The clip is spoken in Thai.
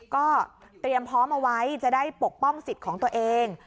ก็เตรียมพร้อมเอาไว้จะได้ปกป้องสิทธิ์ของตัวเอง